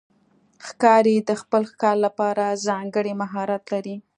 ښکاري د خپل ښکار لپاره ځانګړی مهارت لري.